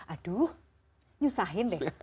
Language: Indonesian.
aduh nyusahin deh